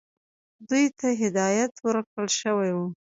دوی ته هدایت ورکړل شوی وو.